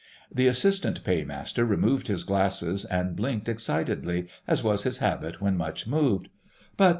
The Assistant Paymaster removed his glasses and blinked excitedly, as was his habit when much moved. "But